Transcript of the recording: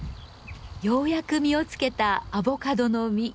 ようやく実をつけたアボカドの実。